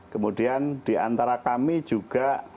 kemudian di antara kami juga